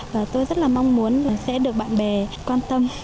và tôi rất là mong muốn sẽ được bạn bè quan tâm